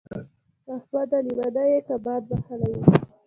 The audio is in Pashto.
احمده! لېونی يې که باد وهلی يې.